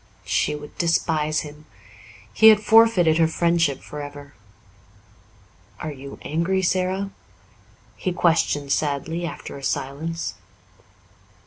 She would despise him. He had forfeited her friendship for ever. "Are you angry, Sara?" he questioned sadly, after a silence.